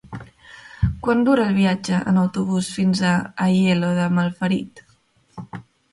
Quant dura el viatge en autobús fins a Aielo de Malferit?